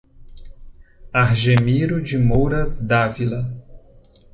Argemiro de Moura D Avila